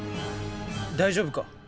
大丈夫か？